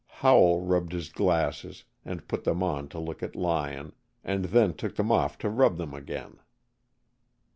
Howell rubbed his glasses, and put them on to look at Lyon, and then took them off to rub them again.